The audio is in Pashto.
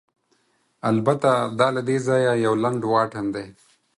البته، دا له دې ځایه یو لنډ واټن دی.